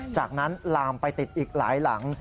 จากนั้นลามไปติดอีกหลายหลัง